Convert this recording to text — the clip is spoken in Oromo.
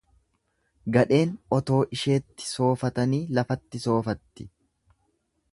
Gadheen otoo isheetti soofatanii lafatti soofatti.